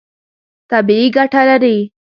طبیعي ګټه لري.